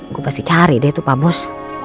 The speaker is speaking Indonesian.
gue pasti cari deh tuh pak bos